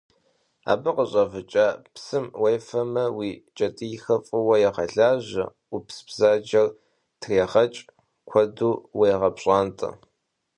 Абы къыщӏэвыкӏа псым уефэмэ, уи кӏэтӏийхэр фӏыуэ егъэлажьэ, ӏупсбзаджэр трегъэкӏ, куэду уегъэпщӏантӏэ.